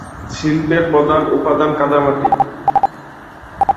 মৃৎশিল্পের প্রধান উপাদান কাদামাটি।